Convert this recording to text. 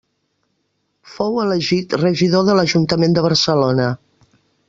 Fou elegit regidor de l'Ajuntament de Barcelona.